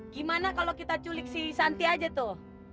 gimana kalau kita culik si santi aja tuh